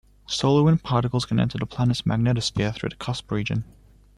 Solar wind particles can enter the planet's magnetosphere through the cusp region.